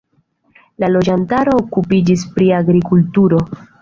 La loĝantaro okupiĝis pri agrikulturo.